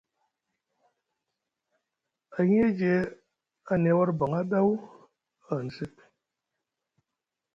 Ahiyeje a niya war baŋa ɗaw, ahani sek.